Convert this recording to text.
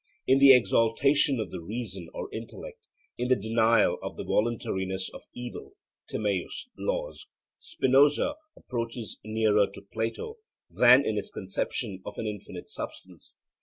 In the exaltation of the reason or intellect, in the denial of the voluntariness of evil (Timaeus; Laws) Spinoza approaches nearer to Plato than in his conception of an infinite substance.